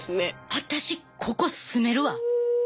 私ここ住めるわ。